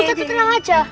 ustadz tuh tenang aja